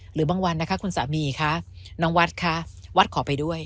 หรือบางวันนะคะคุณสามีคะน้องวัดคะวัดขอไปด้วย